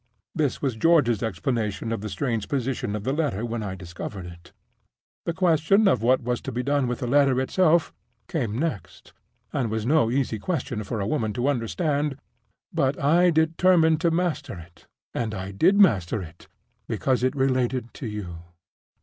This was George's explanation of the strange position of the letter when I discovered it. The question of what was to be done with the letter itself came next, and was no easy question for a woman to understand. But I determined to master it, and I did master it, because it related to you."